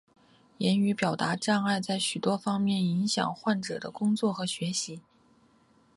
言语表达障碍在许多方面影响患者的工作和学习。